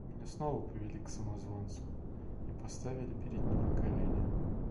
Меня снова повели к самозванцу и поставили перед ним на колени.